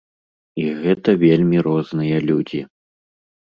І гэта вельмі розныя людзі.